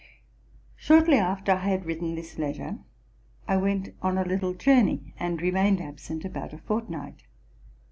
Shortly after I had written this letter, I went on a little journey, and remained absent about a fortnight.